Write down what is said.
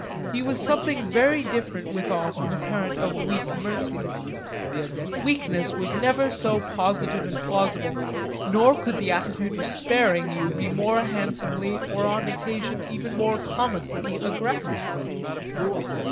He was something very different withal from a parent of weak mercies; weakness was never so positive and plausible, nor could the attitude of sparing you be more handsomely or on occasion even more comically aggressive.